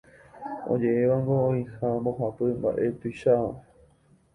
Oje'évango oĩha mbohapy mba'e tuicháva